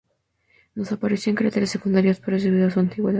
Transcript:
No se aprecian cráteres secundarios, pero es debido a su antigüedad.